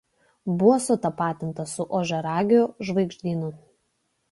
Buvo sutapatinta su Ožiaragio žvaigždynu.